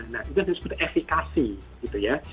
nah itu yang disebut efikasi gitu ya